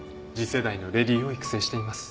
世代の淑女を育成しています。